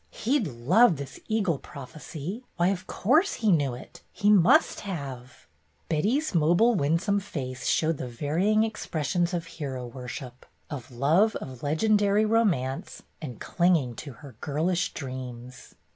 He'd love this eagle prophecy. Why, of course he knew it ! He must have !" Betty's mobile, winsome face showed the varying expressions of hero worship, of love of legendary romance, and clinging to her girlish dreams.